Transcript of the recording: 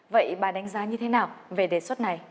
vậy bà đánh giá như thế nào về đề xuất này